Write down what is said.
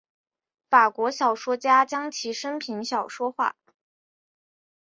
法国小说家将其生平小说化。